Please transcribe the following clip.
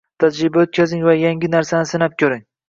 tajriba oʻtkazing va yangi narsalarni sinab koʻring.